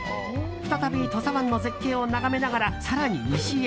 再び土佐湾の絶景を眺めながら更に西へ。